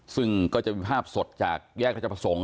ซึ่งก็จะมีภาพสดจากแยกราชประสงค์